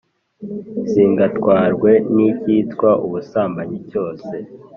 Singatwarwe n’icyitwa ubusambanyi cyose,